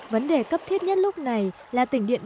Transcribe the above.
vấn đề cấp thiết nhất lúc này là tỉnh điện biên